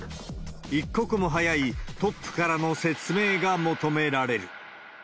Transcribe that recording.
一刻も早いトップからの説明が求められる。